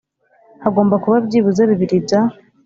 hagomba kuba byibuze bibiri bya